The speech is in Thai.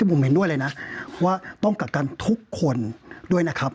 ผมเห็นด้วยเลยนะว่าต้องกักกันทุกคนด้วยนะครับ